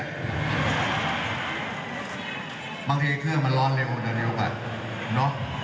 มีการต่อไปบางทีเครื่องมันร้อนเร็วจะเร็วกัน